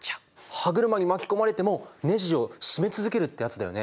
歯車に巻き込まれてもネジを締め続けるってやつだよね。